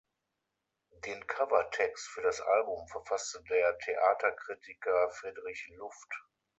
Den Cover-Text für das Album verfasste der Theaterkritiker Friedrich Luft.